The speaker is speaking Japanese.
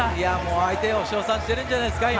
相手を称賛してるんじゃないですか。